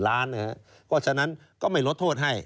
เพราะฉะนั้นก็ไม่ลดโทษให้